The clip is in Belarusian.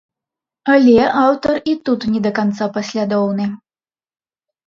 Але аўтар і тут не да канца паслядоўны.